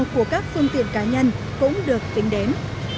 của các phương tiện cá nhân cũng được tính đến